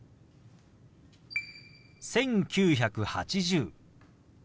「１９８０」。